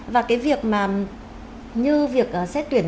và cái việc mà như việc xét tuyển